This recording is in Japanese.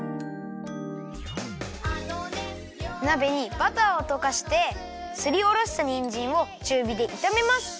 なべにバターをとかしてすりおろしたにんじんをちゅうびでいためます。